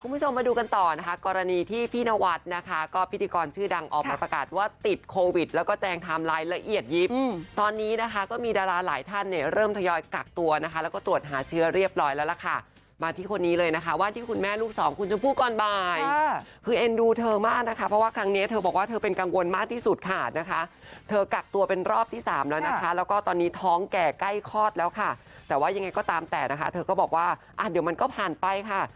คุณผู้ชมมาดูกันต่อนะคะกรณีที่พี่นวัดนะคะก็พิธีกรชื่อดังออกมาประกาศว่าติดโควิดแล้วก็แจงไทม์ไลน์ละเอียดยิปตอนนี้นะคะก็มีดาราหลายท่านเริ่มทยอยกักตัวนะคะแล้วก็ตรวจหาเชื้อเรียบร้อยแล้วล่ะค่ะมาที่คนนี้เลยนะคะว่าที่คุณแม่ลูกสองคุณชมพูก่อนบ่ายคือเอ็นดูเธอมากนะคะเพราะว่าครั้งนี้เธอบอกว่า